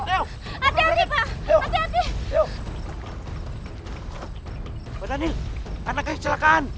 pak daniel anaknya kecelakaan